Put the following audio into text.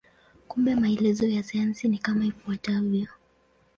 Kumbe maelezo ya sayansi ni kama ifuatavyo.